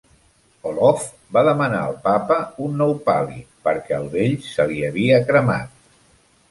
Olov va demanar al papa un nou pal·li, perquè el vell se li havia cremat.